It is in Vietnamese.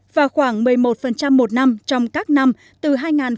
và khoảng một mươi một một năm trong các năm từ hai nghìn một mươi một hai nghìn một mươi năm